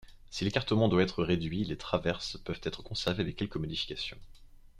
Si l'écartement doit être réduit, les traverses peuvent être conservées avec quelques modifications.